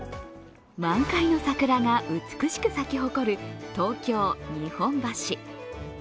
満開の桜が美しく咲き誇る東京・日本橋。